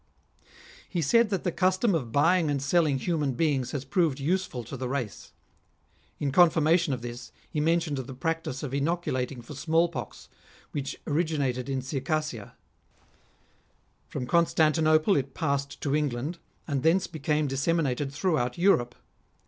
He said that the custom of buying and selling human beings has proved useful to the race. In confirmation of this, he mentioned the practice of inoculating for small pox, which originated in Circassia ; from Constan tinople it passed to England, and thence became dissemi nated throughout Europe.